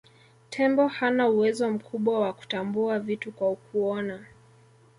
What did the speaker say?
Tembo hana uwezo mkubwa wa kutambua vitu kwa kuona